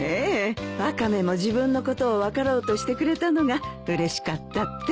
ワカメも自分のことを分かろうとしてくれたのがうれしかったって。